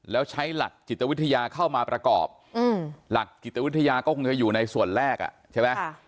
แล้วใช้หลักจิตวิทยาเข้ามาประกอบหลักจิตวิทยาก็คงจะอยู่ในส่วนแรกใช่ไหม